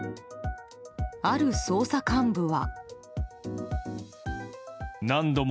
ある捜査幹部は。